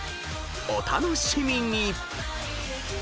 ［お楽しみに！］